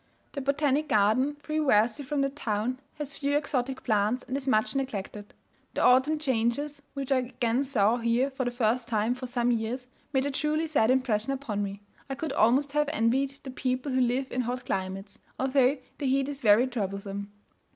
The botanic garden, three wersti from the town, has few exotic plants, and is much neglected. The autumn changes, which I again saw here for the first time for some years, made a truly sad impression upon me. I could almost have envied the people who live in hot climates, although the heat is very troublesome.